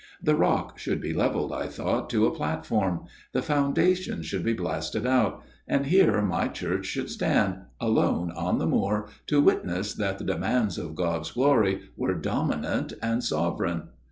The rock should be levelled, I thought, to a platform. The foundations should be blasted out, and here my church should stand, alone on the moor, to witness that the demands of God's glory were dominant and sovereign